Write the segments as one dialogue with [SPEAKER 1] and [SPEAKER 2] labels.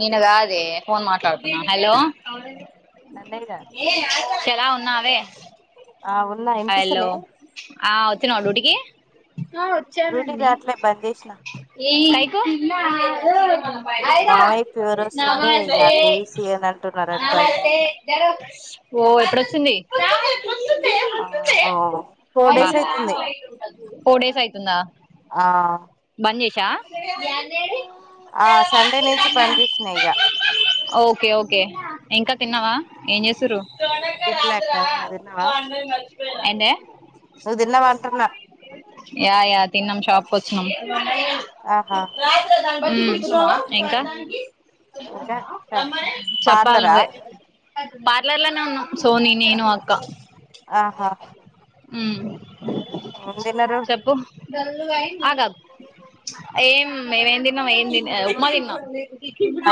[SPEAKER 1] నిన్న కాదే ఫోన్ మాట్లాడుతున్నా హలో
[SPEAKER 2] అంతే కదా
[SPEAKER 1] నావే హలో ఆ వచిన్నావ డ్యూటీ కి ఆ వచ్చానండి లైకు హలో ఓ ఎప్పుడొచింది
[SPEAKER 2] ఆ ఫోర్ డేస్ అయితుంది
[SPEAKER 1] ఫోర్ డేస్ అయితుందా బంద్ జేశ
[SPEAKER 2] ఆ సండే నుంచి బంద్ చేసినా ఇగ
[SPEAKER 1] ఓకే ఓకే ఇంకా తిన్నావా ఏం చేస్ చిరు
[SPEAKER 2] తినలే అక్కా నువ్వు తిన్నావా
[SPEAKER 1] ఏం టే యా యా తిన్నాం షాప్ కు వచ్చినం చెప్పాలి నువ్వే బాట్ ఇంట్లల్లె ఉన్నాం సోని నేను అక్కా ఉమ్ చెప్పు ఆగాగు ఏం మేం ఏం తిన్నాం ఏంది నే ఉప్మా దిన్నా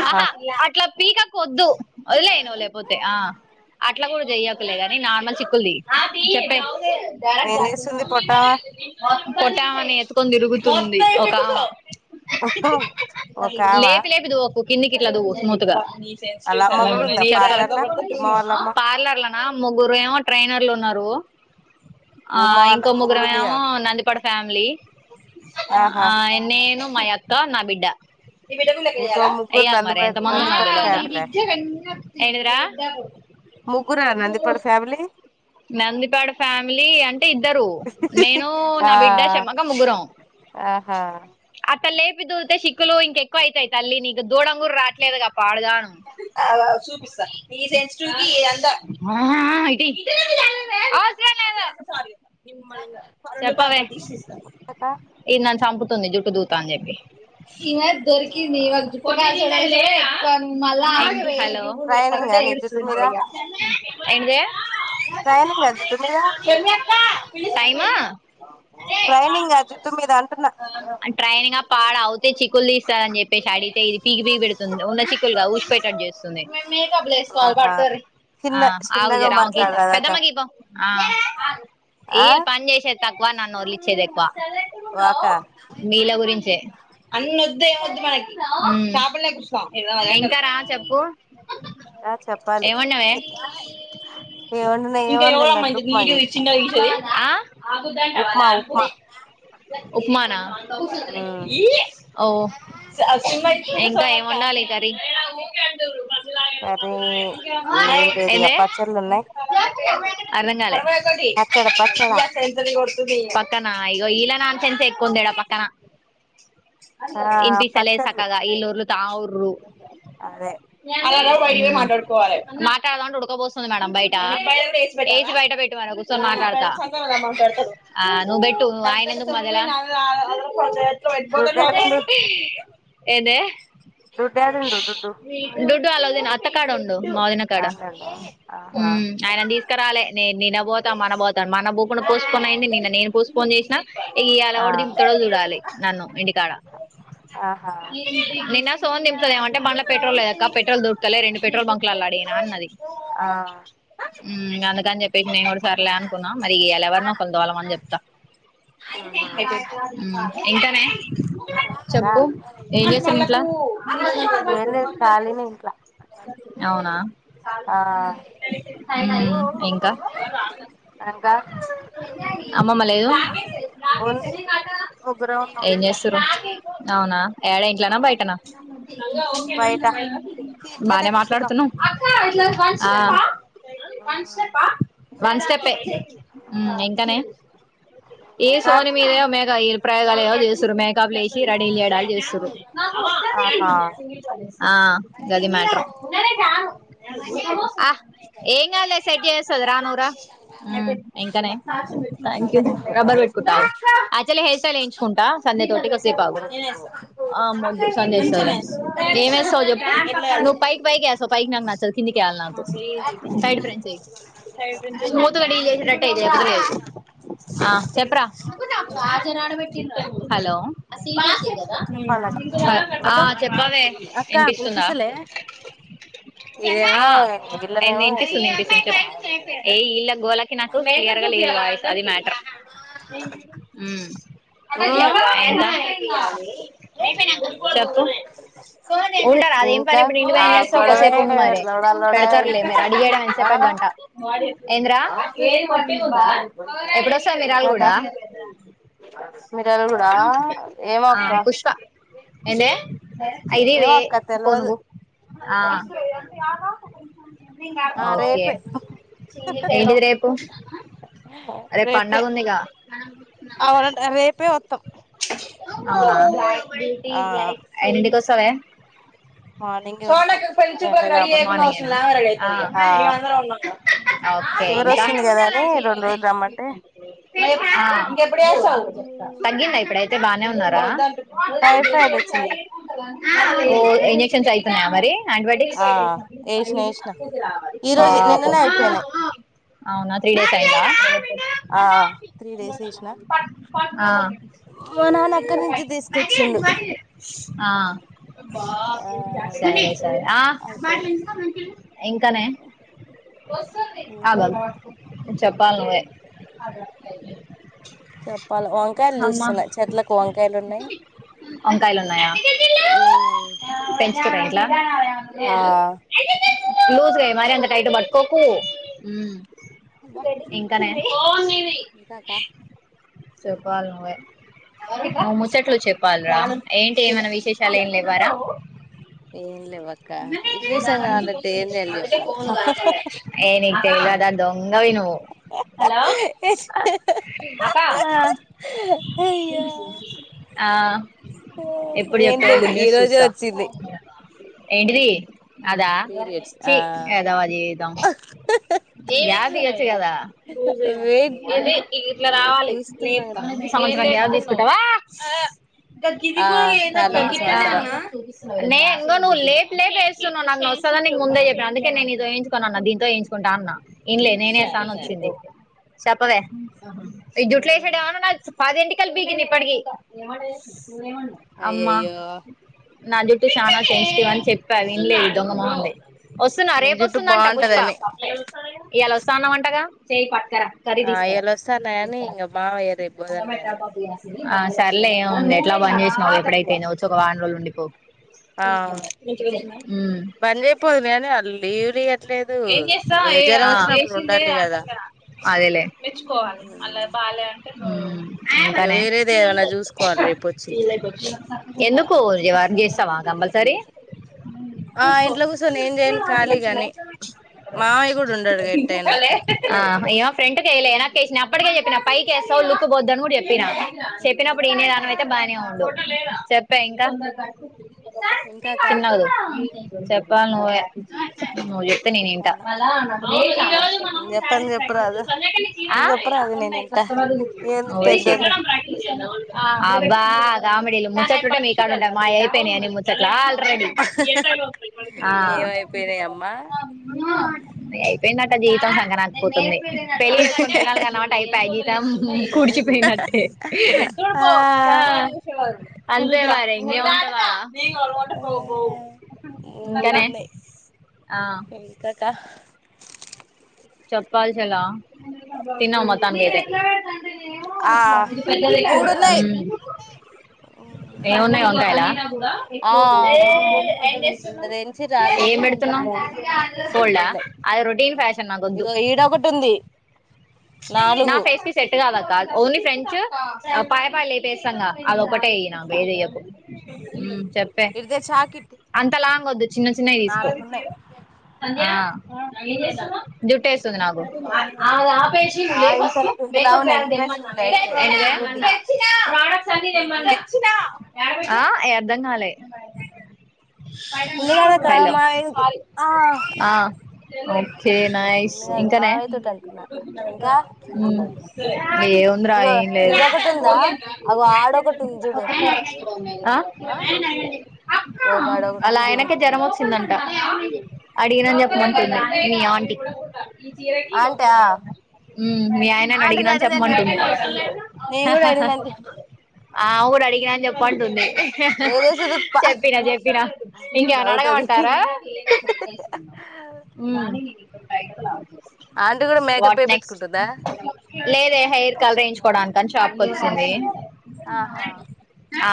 [SPEAKER 1] ఆహా అట్లా పీకకు వద్దు వదిలేయ్ నువు లేకపోతే ఆ అట్లా కూడా చెయ్యకులే కాని నార్మల్ చిక్కులుది చెప్పే పొట్టామెని ఎత్తుకొని తిరుగుతున్ తుంది ఒక ఆమె లేపి లేపి దువ్వకు కిందికిట్లా దువ్వు స్మూత్ గా పార్లర్ల ముగ్గురు ఏమో ట్రైనర్ వీళ్ళున్నారు ఆ ఇంకో ముగ్గురం ఏమో నందిపడ ఫ్యామిలీ ఆ నేను మయక్క నాబిడ్డ ాల వెయ్యాలి మరి ఎంత మంది ఉంటే ఏంటిదిరా నందిపాడ్ ఫ్యామిలీ అంటే ఇద్దరు నేను నా బిడ్డ షర్మక్క ముగ్గురం లేపి దువ్వుతే శిక్ కులు ఇంక ఎక్కువ అవుతాయి తల్లి నీకు దువ్వడంగూడ రాట్లేదుగా పాడుగాను [unintelligible] [unintelligible] ఇది అవసరం లేదు చెప్పవే [unintelligible] చంపుతుంది జుట్టు దు తా అని చెప్పి హలో ఏంటిది షర్మి అక్కా సైమా అ ట్రైనింగా పాడ అవుతే చిక్కులు తీస్తారని చెప్పేసి అడిగితే ఇది పీకి పీకి పెడుతుంది ఉన్న చిక్కులు గావ్ ఊషిపోయేటట్టు చేస్తుంది మే మేకప్ లు వేసుకోవాలి పట్టూర్రి ఆ ఆగు జరా ఆమెకి పెద్దమ్మాకిపో ఆ [unintelligible] పని చేసేది [unintelligible] వచ్చేదెక్కువ సైలెంట్ ఉన్నావ్ నీళ్ల గురించే ఏవద్దు మనకి షాపుల్నే కుసో
[SPEAKER 2] ఆ చెప్పాలి ఏ ముంది
[SPEAKER 1] ఇంకా ఎవరమ్మా ఈ వీడియో చిన్నగా తిషేది ఆ ఆగుద్దాంటవా నాకు మన చే ఓ సినిమ ఇంకా ఏం వండాలి కర్రీ
[SPEAKER 2] కర్రీ ఏం లేదు ఇగ పచ్చళ్ళు ఉన్నాయి
[SPEAKER 1] అర్థం కాలే పక్కనా ఈ వీళ్ళ నాయనమ్మ నా ఎంత ఎకుందెడా పక్కన ఇంటిక్ తేలేదు శాఖగా వీళ్ళు ఒళ్ళు తా ఉండు అలానా బయటికి పోయి మాట్లాడుకోవాలి టే ఉడకపోస్తుంది మేడం బయటికి అసి బయట పెట్టు సక్కగా మాట్డతా ఆ నువ్ బెట్టు ఆయన ఎందుకు మద్యల ఆలా కొంచెం ఏదే దు వెతకాలి వదిన ఎక్కడుందో మా వదినకాడ హమ్ ఆయన తీసుకురవాలే నేను నిన్న పోతా మొన్న పోతాం మన తీసుకొకుండా పోస్పోన్ అయింది నిన్న నేను పోస్పోన్ చేసినా ఇయాల ఎవరు దింపుతడో చూడాలి నన్ను ఇంటికాడ నిన్న సోని దింపుతాదేమో అనుకుంటే బండ్లు పెట్రోల్ లేదాక్క పెట్రోల్ దొరుకుతలే రెండు పెట్రోల్ బంక్లు అలా అడినా అన్నది అంత కాజ పోయి నో కూడా సర్లే మరి అలా ఎవరినో కొల ద వాళ్లంని చెప్తా ఇకానే చెప్పు ఏ చేసవ ఇంట్ల
[SPEAKER 2] కాలీనీ ఇంట్లా
[SPEAKER 1] అవునా హమ్ హమ్ ఇంకా
[SPEAKER 2] ఇంకా
[SPEAKER 1] అమ్మమ్మ లేదు
[SPEAKER 2] ఉంది ఉగర
[SPEAKER 1] అవునా ఏడ ఇంట్లోనా బయటనా బానే మాట్లాడుతున్నా వన్ స్టెప్పే ఇంకానే ఏ సోని మీద ప్రయోగాలు ఏవో చేస్తురు మేకప్లు వసి రడీంగ్ చేయడాలు చేస్తుారు
[SPEAKER 2] ఆహా
[SPEAKER 1] ఆ గది మాటం ఏంగ్ అాల సెట్ చేస్తద రా నూరా ఇంకానే థ్యాంక్ యూ రబ్బర్ పెట్ కుతావు ఆ చలే హే వేయించుకుంటా సందే తోటికిసేపు ముగ్ సందేస్త ఏేమేస్తావు చె నువ్వు పైకి పైకి వేస్తావు పైకి నాకు నచ్చదు కిందికి వెేాలి నాకు సైడ్ ఫ్రెూగాసట్టదు చెప్పరా హలో ఆ చెప్పవే వినిపిస్తుందా ఎ తనిపిస్తుంది వినిపిస్తు ఏ ఇళ్ళ గోళకి నాకు క్లియర్గా అది మ్యాటర్ అ చెప్పు ఉండరు అదేం పని ఇప్పుడు ఇంంటి పన్ చేస్తా ఒకసేపు ఉండు మరిే పెడతారు మరి అడిగడ అన్సేప్ప గంట ఏంద్రా ఎప్పుడొస్తా మీరాళు కూడా పుష్ప ఏంటే [unintelligible] ఇదీవే పోనుగు ఆ ఓకే ఏంటిది రేపు అదే పండగ ఉంది గా ఆ [unintelligible] తనయా సోనక్కకు పెళ్లి చూపులకు రెడీ అయినట్లు [inaudible] రెడీ అవుతాంది ఆ మేము అందరం ఉన్నాం [unintelligible] ఓకే ఇంకా [unintelligible] [unintelligible] ఎప్పుడు వేస్తావ్ తగ్గిందా ఇప్పుడైతే బాగానే ఉందా [unintelligible] ఉన్నారా [inaudible]
[SPEAKER 2] టైఫాడ్ వచ్చింది
[SPEAKER 1] ఓ ఇంజెక్షన్స్ అయితున్నాయా మరి యాంటీబయోటిక్స్ పాపం అవునా త్రీ డేస్ అయిందా [unintelligible] ఇంకా నే వస్తుంది అగు అగు చెప్పాలి నువ్వే హ్మ్మ్ వంకాయలు ఉన్నాయా [unintelligible] [unintelligible] లూస్ వే మరి అంత టైట్ పట్టుకోకు ఇంకానే చెప్పాల నువ్వ నువ్వు ముచ్చట్లు చెప్పాలరా ఏంటి ఏమైనా విశేషాలు ఏం లేవారా నేను అయితే [unintelligible] దొంగవి నువ్వు హలో అక్కా ఆ ఎప్పుడు చెప్తావో గూడ్ న్యూస్ చెప్తావో చూస్తా ఏంటిది అదా యదవ జీవితం గ్యాప్ ఇయ్యాచు కదా ఇట్లా రావాలి లేట్ గా సంవత్సరానికి అది తీసుకుంటావా [unintelligible] నే ఇంో నువ్వు లేపు లేప వేస్తున్నావు నాకు న వస్తుదానికి ముందే చెప్పాను అందుకే నేను ఈతోయించుకోను అన్నా దీంతో ఏయించుకుంటా అన్నా ఇన్లే నేనేస్తా అను వచ్చింది చెప్పవే ఈ జుట్లై సడేవను నా పాదంటికి [unintelligible] అమ్మా నా జుట్టు చాలా సెన్సిటివ్ అని చెప్పారుది విన్లే దొంగన ఉంది వస్తున్నా రేపు వస్తుందంట పుష్ప ఇలా వ న్నంమంటగా చేయి పట్
[SPEAKER 2] ఆ ఎలోసా నని ఇంగ మామయారు బధన లేన్నారు
[SPEAKER 1] ఆ సరలేంది ఎట్ బంద చేసిన వాళ్ళ ఎప్పుడైతేయిో వచ్చో ఒక వారం రోజులు ఉండిపో అహా
[SPEAKER 2] ని వాళ్ లీవ్ లేయట్లేదు మ జ్వరం వచ్చినప్పుడు ఉండాలి కదా
[SPEAKER 1] అదేలేే మెచ్చుకోవాలి మళ్ళ బాగా అంటే ఆహా అకనే ఎందుకో ఈ వారం చేస్తావా కంపల్సరీ
[SPEAKER 2] ఆ ఇంట్లో కు సో
[SPEAKER 1] ఆ ఏమ ఫ్రంట్ కేయలే నాకేసినా అప్పటికే చెప్పిన పైకి ఎస్తావ్ లుక్ పోద్ద్దని కూడా చెప్పిన చెప్పినప్పుడు ఇనే దానియితే బా చెప్పే ఇంకా చిన్నగ దొ చెప్ ప్పల్ నువ్వే నువ్వు చెప్తే నేను ఇంట అబ్బా కామెడీలు [unintelligible] చూడండి మా అయిపోయినాయియని ముచ్చట్లా ఆల్రెడీ
[SPEAKER 2] ఏమైపోయినాయి అమ్మా
[SPEAKER 1] అయిపోయిందట జీవితం సంకనాకిపోతుంది పెళ్ళి ఏసుకొని తినాలి గా, నాట్ అయిపాయి గీతం కుడిచిపోయినట్టే అంతే మరి ఇంగేం ఉంటది ఆడ నంగ అ మట పో
[SPEAKER 2] మూడ్ ఉన్నాయి ఇంకాక
[SPEAKER 1] చెప్పాల్సలా తిన్నావ మత్తాన్ కి అయితే ఏమున్నాయి వంకాయలా ఏం పెడుతున్నావ్ ఫోల్డా అది రొటీన్ ఫ్యా
[SPEAKER 2] ఇగో ఈడ ఒకటి ఉంది
[SPEAKER 1] నా ఫేస్ కి సెట్టు కాద్ అ క్క ఓన్లీ ఫ్రెంచ్, పాయ పాయ లేపేస్తాంగా అదొ ఒకటేయి నాక్ ఏదియ్యకు చెప్పే అంత లాంగ్ వద్దు చిన్న చిన్నవి తీసుకో హా జుట్ ఏస్ తుంది నాగు ఫస్ట్ మేకప్మే ప్రడక్ట్ అ ఆ అర్ధం కాలే హలో ఆ ఆమ్ కే నయిస్ ఇంక నే మ్మ్ ఏముంది రా ఏం లేదు ఆ అలాయనకే జరమొచ్ చిందంట అడిగినని చెప్పమంటుంది మీ ఆంటీ కూడా కూడా కూడా ఇజకి లో ప మీ ఆయనని అడిగినా అని చెప్పమంటుంది ఆమె కూడ అడిగినాని చెప్పంటుంది చెప్పినా చెప్పినా ఇంకెవని అడగమంటారా అ
[SPEAKER 2] ఆంటీ కూడా మేకప్
[SPEAKER 1] నెక్స్ట్ లేదే హెయిర్ కలర్ ఏయించుకోవడాని కానీ షాప్ కొచ్చింది
[SPEAKER 2] ఆహా
[SPEAKER 1] ఆ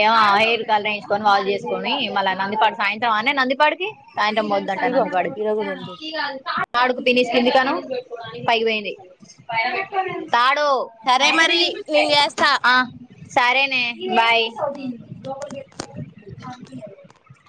[SPEAKER 1] ఏమ హెయిర్ కలర్ వేంచుకొని వాళ్ళు చేసుకుని మళ్ళా నందిపాడు సాయంత్రం అనే నందిపాడికి సాయంటం పోద్దంట నంది కాడికి ఆడుకు పినిస్తుంది కను పైకి పోయింది తాడో ఆ సరేనే బాయ్ అగీఏ